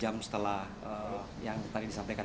dan juga perangkat yang telah disampaikan